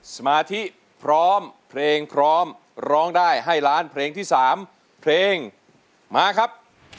สมาธิพร้อมเพลงพร้อมร้องได้ให้ล้านเพลงที่๓เพลงมาครับ